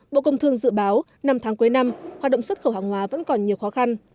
bộ công thương dự báo năm tháng cuối năm hoạt động xuất khẩu hàng hóa vẫn còn nhiều khó khăn